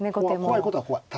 怖いことは怖い。